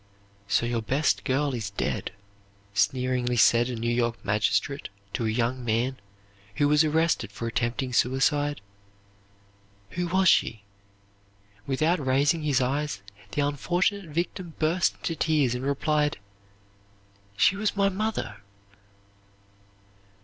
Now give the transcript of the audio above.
"So your best girl is dead," sneeringly said a New York magistrate to a young man who was arrested for attempting suicide. "Who was she?" Without raising his eyes, the unfortunate victim burst into tears and replied, "She was my mother!"